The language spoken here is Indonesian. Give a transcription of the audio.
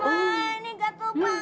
oma ini gatel banget tuh